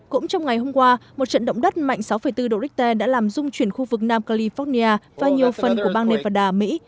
cũng trong ngày hôm qua một trận động đất mạnh sáu bốn độ richter đã làm dung chuyển khu vực nam california và nhiều phần của bang nevada mỹ